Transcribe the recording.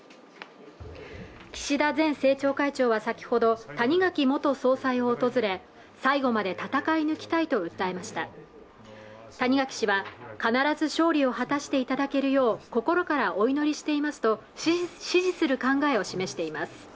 岸田前政調会長は先ほど谷垣元総裁を訪れ最後まで戦い抜きたいと訴えました谷垣氏は必ず勝利を果たしていただけるよう心からお祈りしていますと支持する考えを示しています